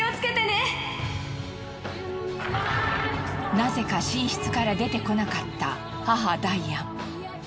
なぜか寝室から出てこなかった母ダイアン。